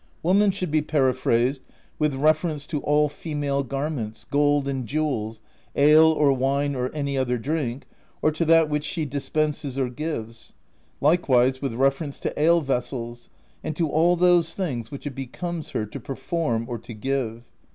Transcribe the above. "Woman should be periphrased with reference to all female garments, gold and jewels, ale or wine or any other drink, or to that which she dispenses or gives; likewise with reference to ale vessels, and to all those things which it becomes her to perform or to give.